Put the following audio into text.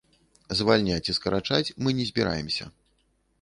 Звальняць і скарачаць мы не збіраемся.